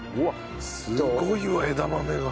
すごいよ枝豆が。